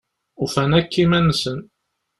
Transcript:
Ufan akk iman-nsen.